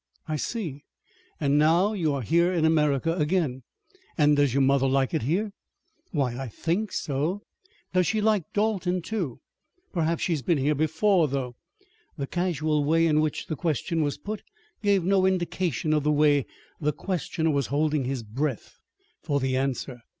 "Hm m; I see. And now you are here in America again. And does your mother like it here?" "Why, I think so." "And does she like Dalton, too? Perhaps she has been here before, though." The casual way in which the question was put gave no indication of the way the questioner was holding his breath for the answer.